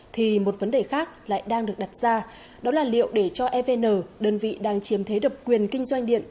thì một vấn đề khác lại đang được đặt ra đó là liệu để cho evn đơn vị đang chiếm thế độc quyền kinh doanh điện